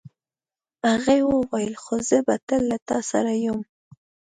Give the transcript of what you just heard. هغې وویل خو زه به تل له تا سره یم.